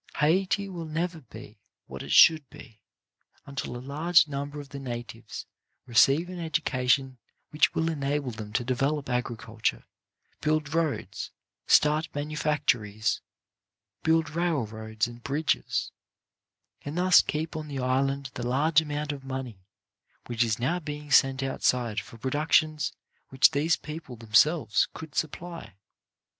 Haiti will never be what it should be until a large number of the natives receive an education which will enable 78 CHARACTER BUILDING them to develop agriculture, build roads, start manufactories, build railroads and bridges, and thus keep on the island the large amount of money which is now being sent outside for productions which these people themselves could supply.